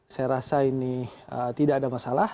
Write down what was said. saya rasa ini tidak ada masalah